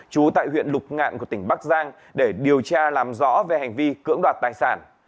trú tại huyện lục ngạn của tỉnh bắc giang để điều tra làm rõ về hành vi cưỡng đoạt tài sản